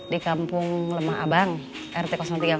di kampung lemah abang rt tiga